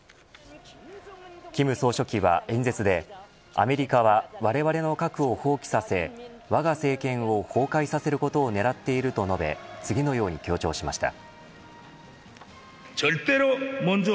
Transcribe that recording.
金総書記は演説で、アメリカはわれわれの核を放棄させわが政権を崩壊させることを狙っていると述べ次のように強調しました。